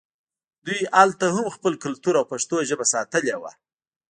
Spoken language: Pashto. دوی هلته هم خپل کلتور او پښتو ژبه ساتلې وه